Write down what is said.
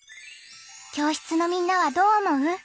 教室のみんなはどう思う？